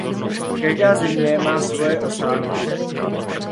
Každá země má svoje osádky.